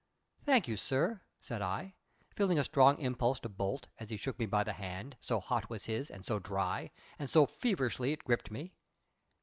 "Thank you, sir," said I, feeling a strong impulse to bolt as he shook me by the hand, so hot was his and so dry, and so feverishly it gripped me.